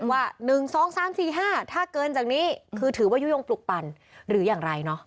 ว่า๑๒๓๔๕ถ้าเกินจากนี้คือถือว่ายุโยงปลุกปั่นหรืออย่างไร